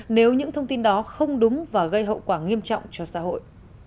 nếu những thông tin đó không đúng và gây hậu quả nghiêm trọng cho xã hội